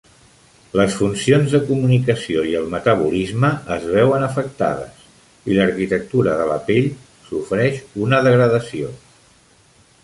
Les funcions de comunicació i el metabolisme es veuen afectades i l'arquitectura de la pell sofreix una degradació.